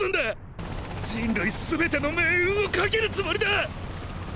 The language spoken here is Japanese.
人類すべての命運を懸けるつもりだ！！